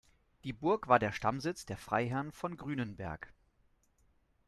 Die Burg war der Stammsitz der Freiherren von Grünenberg.